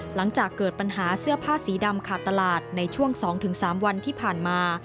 หลังจากเกิดปัญหาเสื้อผ้าสีดำขาดตลาดในช่วง๒๓วันที่ผ่านมา